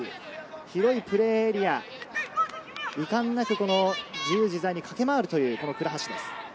広いプレーエリア、いかんなく自由自在に駆け回るという倉橋です。